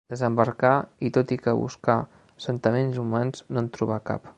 Desembarcà i tot i que buscà assentaments humans no en trobà cap.